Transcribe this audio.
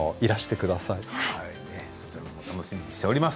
そちらも楽しみにしています。